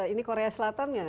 ini korea selatan ya